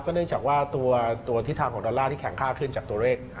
เนื่องจากว่าตัวทิศทางของดอลลาร์ที่แข็งค่าขึ้นจากตัวเลข